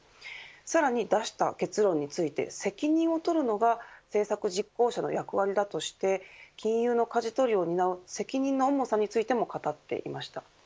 さらに出した結論について責任を取るのが政策実行者の役割だとして金融のかじ取りを担う責任の重さについても語っていました。